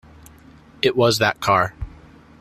It was that car.